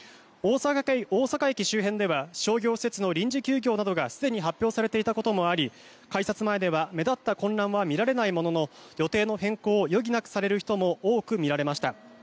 大阪駅周辺では商業施設の臨時休業などがすでに発表されていたこともあり改札前では目立った混乱は見られないものの予定の変更を余儀なくされる人も多く見られました。